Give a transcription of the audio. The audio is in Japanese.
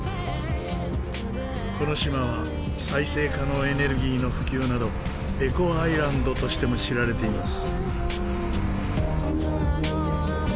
この島は再生可能エネルギーの普及などエコアイランドとしても知られています。